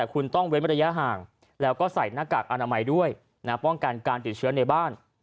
คุณต้องเว้นระยะห่างแล้วก็ใส่หน้ากากอนามัยด้วยป้องกันการติดเชื้อในบ้าน